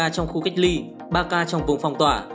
trong khu cách ly ba ca trong vùng phòng tỏa